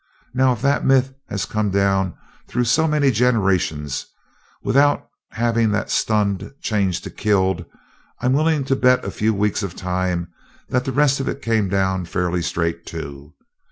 Now if that myth has come down through so many generations without having that 'stunned' changed to 'killed', I'm willing to bet a few weeks of time that the rest of it came down fairly straight, too.